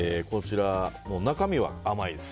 中身は甘いです。